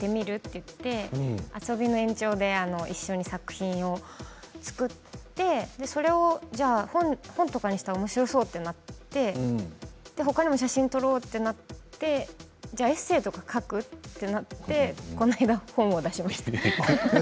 となって遊びの延長で一緒に作品を作ってそれを本にしたらおもしろそうとなってほかにも写真を撮ろうとなってエッセーとか書く？となってこの間、本を出しました。